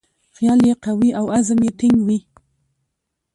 خیال یې قوي او عزم یې ټینګ وي.